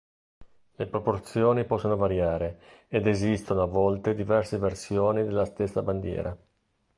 Le proporzioni possono variare ed esistono a volte diverse versioni della stessa bandiera.